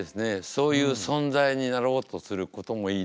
そういう存在になろうとすることもいいですね。